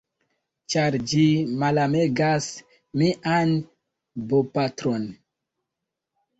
ĉar ĝi malamegas mian bopatron.